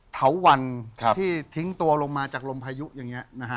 เถาวันที่ทิ้งตัวลงมาจากลมพายุอย่างนี้นะฮะ